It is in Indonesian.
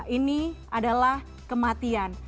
ini adalah kematian